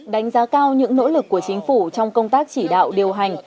đánh giá cao những nỗ lực của chính phủ trong công tác chỉ đạo điều hành